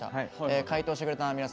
回答してくれた皆様